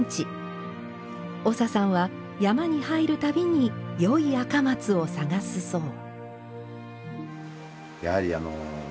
長さんは、山に入るたびに良い赤松を探すそう。